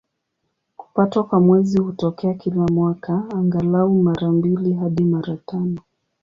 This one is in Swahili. Kupatwa kwa Mwezi hutokea kila mwaka, angalau mara mbili hadi mara tano.